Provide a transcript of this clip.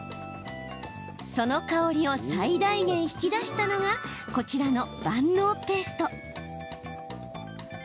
その香りを最大限引き出したのがこちらの万能ペースト。